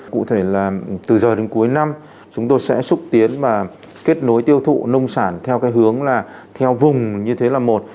cụ thể là từ giờ đến cuối năm chúng tôi sẽ xúc tiến và kết nối tiêu thụ nông sản theo cái hướng là theo vùng như thế là một